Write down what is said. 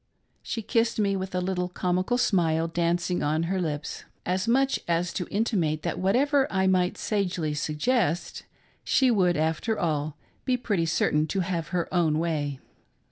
She kissed me, with a comical little smile dancing on her lips, as much as to intimate that whatever I might sagely suggest, she would, after all, be pretty certain to have her own way.